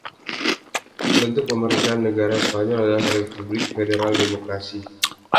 Bentuk Pemerintahan Negara Spanyol adalah Republik Federal Demokrasi.